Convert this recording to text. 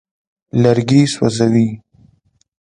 لرګي سوځوي.